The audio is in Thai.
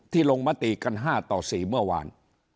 ลงมติกัน๕ต่อ๔เมื่อวาน